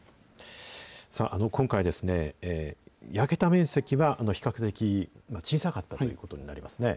今回ですね、焼けた面積は、比較的小さかったということになりますね。